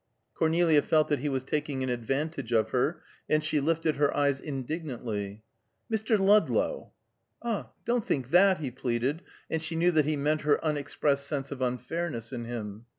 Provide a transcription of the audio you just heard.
Cornelia felt that he was taking an advantage of her, and she lifted her eyes indignantly. "Mr. Ludlow!" "Ah! Don't think that," he pleaded, and she knew that he meant her unexpressed sense of unfairness in him.